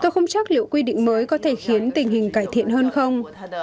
tôi không chắc liệu quy định mới có thể khiến tình hình cải thiện hơn không